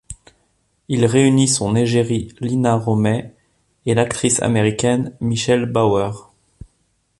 Il réunit son égérie Lina Romay et l'actrice américaine Michelle Bauer.